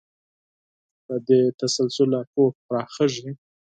له دې تسلسله پوهه پراخېږي.